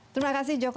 terima kasih joko